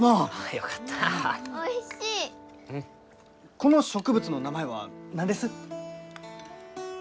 この植物の名前は何です？